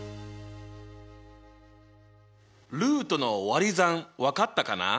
ルートのわり算分かったかな？